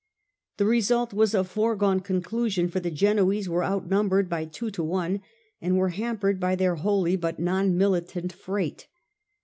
The result was a foregone conclusion, for the Genoese were out numbered by two to one and were hampered by their holy but non militant freight.